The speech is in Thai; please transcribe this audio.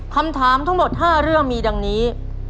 คำถามทั้งหมด๕เรื่องมีดังนี้